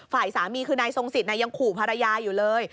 ฝ่ายสามีคือนายทรงสิทธิ์ยังขู่ภรรยาอยู่เลย